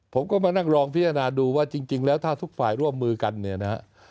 ผมก็มานั่งลองพิจารณาดูว่าจริงแล้วถ้าทุกฝ่ายร่วมมือกันเนี่ยนะฮะ